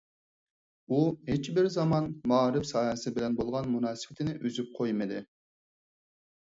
ئۇ ھېچبىر زامان مائارىپ ساھەسى بىلەن بولغان مۇناسىۋىتىنى ئۈزۈپ قويمىدى.